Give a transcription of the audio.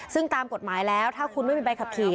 ซึ่งตามกฎหมายแล้วถ้าคุณไม่มีใบขับขี่